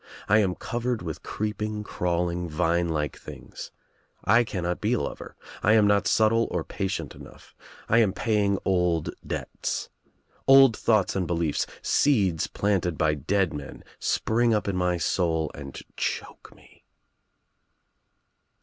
1 am covered with creeping crawling vine like things. I cannot be a lover. I am not subtle or patient enough. I am paying old debts. Old thoughts and beliefs — seeds planted by dead men — spring up In my soul and choke me."